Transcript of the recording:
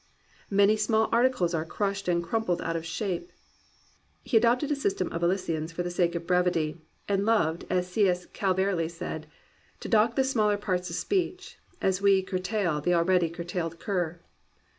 Many small ar ticles are crushed and crumpled out of shape. He adopted a system of elisions for the sake of brevity, and loved, as C. S. Calverley said, "to dock the smaller parts of speech As we curtail th* already curtailed cur."